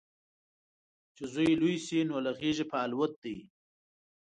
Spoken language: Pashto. چې زوی لوی شي، نو له غیږې په الوت دی